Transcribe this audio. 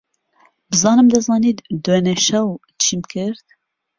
بزانم دەزانیت دوێنێ شەو چیم کرد.